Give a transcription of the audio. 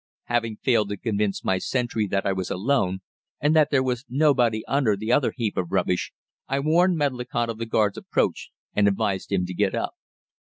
"Having failed to convince my sentry that I was alone and that there was nobody under the other heap of rubbish, I warned Medlicott of the guard's approach and advised him to get up.